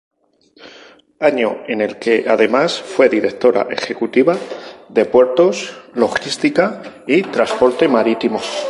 Año en el que además fue Directora Ejecutiva de Puertos, Logística y Transporte Marítimo.